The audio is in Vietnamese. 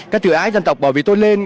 cái tự ái dân tộc bởi vì tôi lên